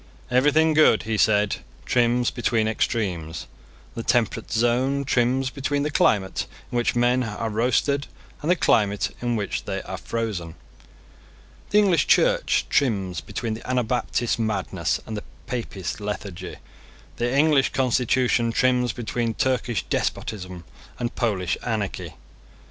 Everything good, he said, trims between extremes. The temperate zone trims between the climate in which men are roasted and the climate in which they are frozen. The English Church trims between the Anabaptist madness and the Papist lethargy. The English constitution trims between Turkish despotism and Polish anarchy.